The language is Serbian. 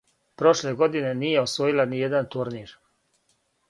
Прошле године није освојила ниједан турнир.